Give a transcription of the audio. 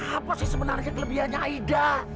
apa sih sebenarnya kelebihannya aida